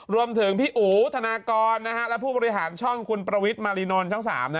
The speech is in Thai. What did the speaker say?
รวมถึงพี่อู๋ธนากรและผู้บริหารช่องคุณประวิทย์มารินนท์ช่อง๓